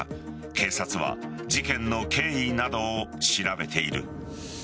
警察は事件の経緯などを調べている。